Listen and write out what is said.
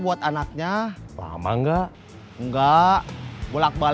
yaudah kita ketemu di markas kecil